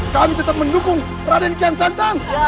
kami tetap mendukung raden kian santang